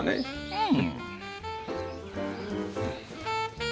うん。